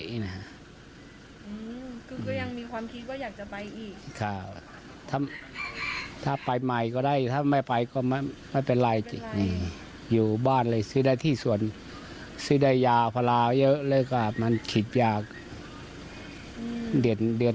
อืนมีความคิดว่าอยากจะไปอีก